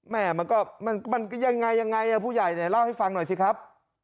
แม่มันก็มันก็ยังไงพ่อใหญ่เล่าให้ฟังหน่อยสิครับ